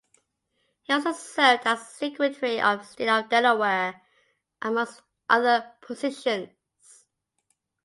He also served as the Secretary of State of Delaware amongst other positions.